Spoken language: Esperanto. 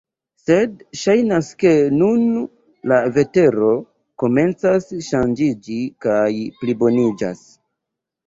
Sed ŝajnas ke nun la vetero komencas ŝanĝiĝi kaj pliboniĝas.